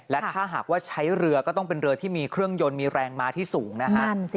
และถ้าหากว่าใช้เรือก็ต้องเป็นเรือที่มีเครื่องยนต์มีแรงมาที่สูงนะฮะ